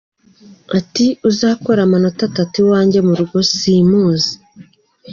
Ati: ”Uzakura amanota atatu iwanjye mu rugo simuzi.